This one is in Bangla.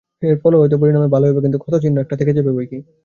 এরও ফল হয়তো পরিণামে ভালই হবে, কিন্তু ক্ষতচিহ্ন একটা থেকে যাবে বৈকি।